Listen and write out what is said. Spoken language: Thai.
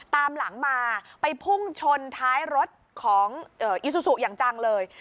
ตามหลังมาไปพุ่งชนท้ายรถของอิซูซูอย่างจังเลย